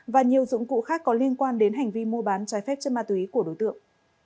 và nhiều dụng cụ khác có liên quan đến hành vi mua bán trái phép chất ma túy của đối tượng